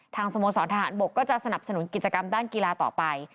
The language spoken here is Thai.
สโมสรทหารบกก็จะสนับสนุนกิจกรรมด้านกีฬาต่อไป